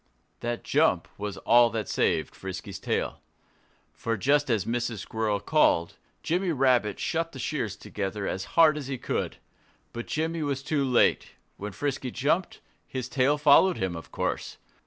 That jump was all that saved Frisky's tail. For just as Mrs. Squirrel called, Jimmy Rabbit shut the shears together as hard as he could. But Jimmy was too late. When Frisky jumped, his tail followed him, of course.